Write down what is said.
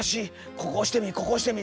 ここ押してみここ押してみ。